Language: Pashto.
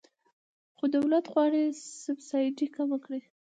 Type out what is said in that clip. خو دولت غواړي سبسایډي کمه کړي.